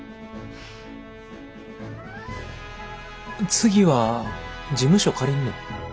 次は事務所借りんの？